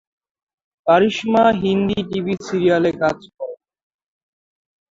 কারিশমা Hindi TV সিরিয়ালে কাজ করেন।